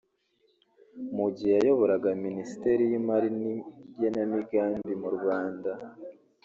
Mu gihe yayoboraga Minisiteri y’imari n’igenamigambi mu Rwanda